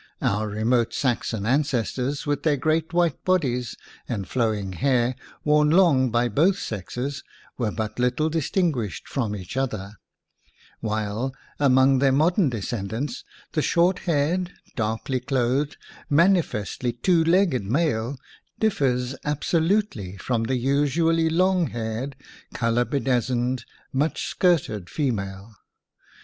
Our remote Saxon ancestors, with their great white bodies and flowing hair worn long by both sexes, were but little distin guished from each other ; while among their mod ern descendants the short haired, darkly clothed, manifestly two legged male differs absolutely from the usually long haired, color bedizened, much skirted female.